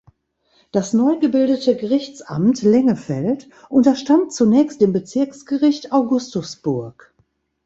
Das neu gebildete Gerichtsamt Lengefeld unterstand zunächst dem Bezirksgericht Augustusburg.